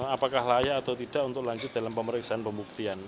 apakah layak atau tidak untuk lanjut dalam pemeriksaan pembuktian